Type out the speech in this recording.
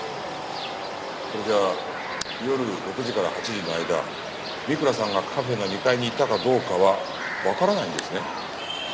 それじゃあ夜６時から８時の間三倉さんがカフェの２階にいたかどうかはわからないんですね？